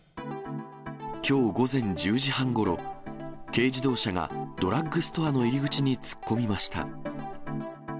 きょう午前１０時半ごろ、軽自動車がドラッグストアの入り口に突っ込みました。